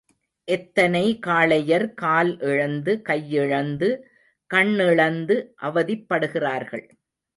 எத்தனை காளையர் கால் இழந்து, கையிழந்து, கண் இழந்து அவதிப்படுகிறார்கள்.